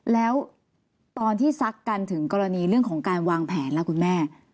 แล้วตอนที่ซักกันถึงกรณีเรื่องของการวางแผนล่ะคุณแม่